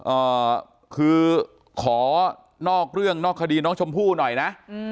เอ่อคือขอนอกเรื่องนอกคดีน้องชมพู่หน่อยนะอืม